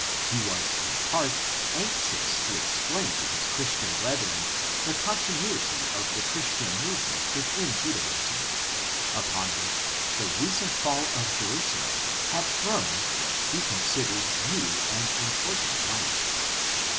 He was in part anxious to explain to his Christian brethren the continuity of the Christian movement with Judaism, upon which the recent fall of Jerusalem had thrown what he considered new and important light.